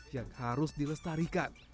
yang harus dilestarikan